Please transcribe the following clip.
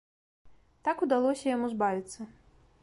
Так удалося яму збавіцца.